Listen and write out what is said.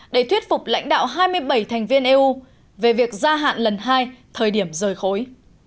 để thuyết phục lãnh đạo hai mươi bảy thành viên eu về việc gia hạn lần hai thời điểm rời khối